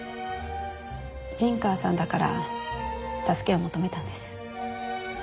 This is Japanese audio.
陣川さんだから助けを求めたんです。